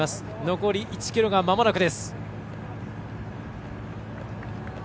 残り１ｋｍがまもなくです。